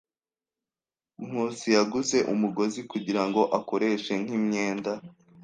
Nkusi yaguze umugozi kugirango akoreshe nk'imyenda.